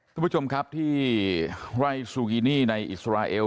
คุณผู้ชมครับที่ไร่ซูกินี่ในอิสราเอล